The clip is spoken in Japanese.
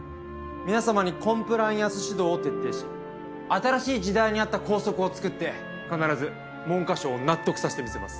皆様にコンプライアンス指導を徹底し新しい時代に合った校則を作って必ず文科省を納得させてみせます。